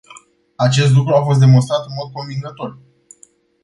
Acest lucru a fost demonstrat în mod convingător.